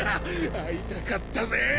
会いたかったぜ！